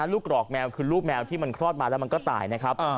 กรอกแมวคือลูกแมวที่มันคลอดมาแล้วมันก็ตายนะครับ